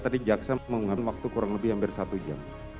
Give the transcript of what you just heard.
tadi jaksa mengeluarkan waktu kurang lebih hampir satu jam